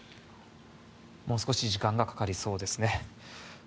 もう少し時間がかかりそうですね。